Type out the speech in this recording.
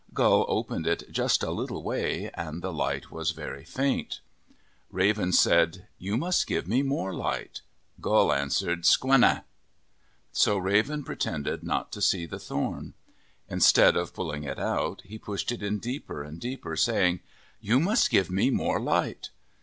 Gull opened it just a little way and the light was very faint. '9 MYTHS AND LEGENDS Raven said, " You must give me more light." Gull answered, " Sqendn f So Raven pretended not to see the thorn. Instead of pulling it out, he pushed it in deeper and deeper, saying, " You must give me more light."